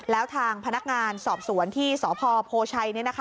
แล้วทางพนักงานสอบสวนที่สพโพชัย